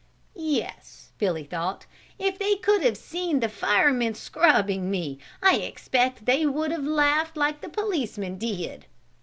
"Yes," Billy thought, "if they could have seen the firemen scrubbing me, I expect they would have laughed like the policemen did."